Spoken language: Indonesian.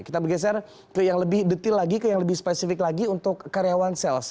kita bergeser ke yang lebih detail lagi ke yang lebih spesifik lagi untuk karyawan sales